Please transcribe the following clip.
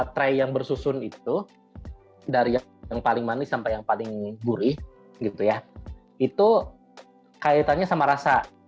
tray yang bersusun itu dari yang paling manis sampai yang paling gurih gitu ya itu kaitannya sama rasa